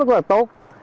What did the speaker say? rất là tốt